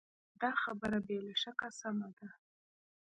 دا خبره بې له شکه سمه ده.